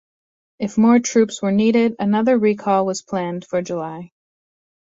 If more troops were needed, another recall was planned for July.